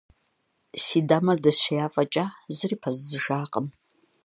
Си дамэр дэсшея фӀэкӀа, зыри пэздзыжакъым.